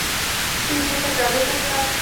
دوی بیرته کابل ته ستانه شول.